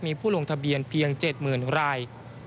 มีผู้ลงทะเบียนเพียง๗๐๐ราย